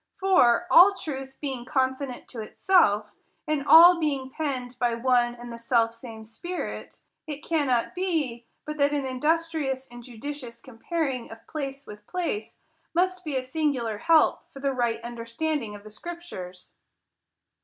For, all truth being consonant to itself, and all being penned by one and the self same Spirit, it cannot be, but that an industrious and judicious comparing of place with place must be a singular help for the right understanding of the scriptures.